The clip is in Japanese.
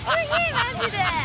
マジで。